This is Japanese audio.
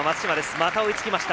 また、追いつきました。